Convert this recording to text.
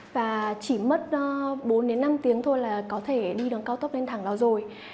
và chỉ mất bốn đến năm tiếng thôi là có thể đi đường cao tốc lên thẳng đó rồi